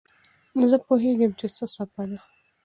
زه پوهېږم چې څپه څه ده.